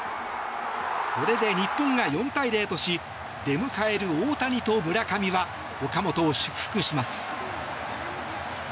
これで日本が４対０とし出迎える大谷と村上は岡本を祝福します。